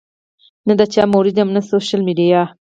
نۀ د چا مريد يم او نۀ سوشل ميډيا